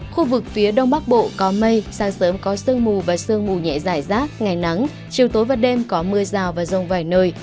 khu vực phía đông bắc bộ có mây sáng sớm có sương mù và sương mù nhẹ giải rác ngày nắng chiều tối và đêm có mưa rào và rông vài nơi